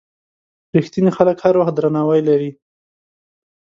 رښتیني خلک هر وخت درناوی لري.